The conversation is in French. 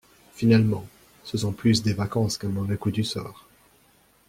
Finalement, ce sont plus des vacances qu’un mauvais coup du sort.